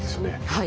はい。